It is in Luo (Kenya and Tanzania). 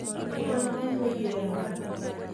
Higa ma onyuoliye en mane?